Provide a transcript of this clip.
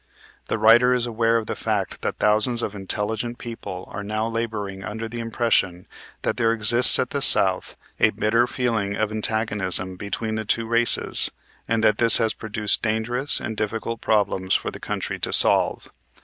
The writer is aware of the fact that thousands of intelligent people are now laboring under the impression that there exists at the South a bitter feeling of antagonism between the two races and that this has produced dangerous and difficult problems for the country to solve.